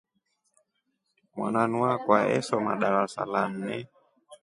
Mwananu akwa esoma darasa la nne.